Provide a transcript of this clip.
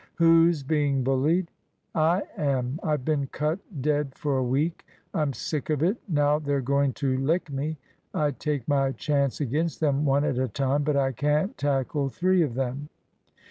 "Who's being bullied?" "I am. I've been cut dead for a week. I'm sick of it. Now they're going to lick me. I'd take my chance against them one at a time, but I can't tackle three of them."